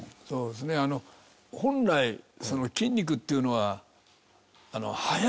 そうですね本来筋肉っていうのは。